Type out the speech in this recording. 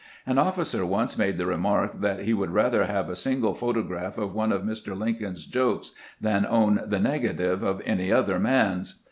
An ofllcer once made the remark that he would rather have a single photograph of one of Mr. Lincoln's jokes than own the negative of any other man's.